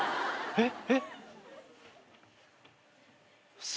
えっ。